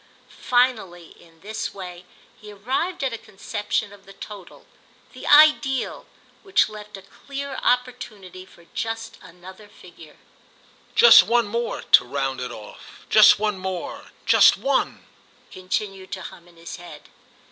Finally, in this way, he arrived at a conception of the total, the ideal, which left a clear opportunity for just another figure. "Just one more—to round it off; just one more, just one," continued to hum in his head.